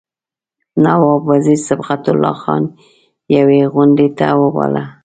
نواب وزیر صبغت الله خان یوې غونډې ته وباله.